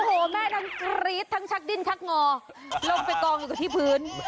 โอ้โหแม่ทั้งกรี๊ดทั้งชักดิ้นชักงอลงไปกองอยู่กับที่พื้น